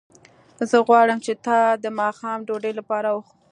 زه غواړم چې تا د ماښام ډوډۍ لپاره وخورم